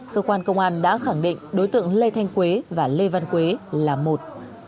cơ quan công an đã khẳng định đối tượng lê thanh quế và lê văn quế là một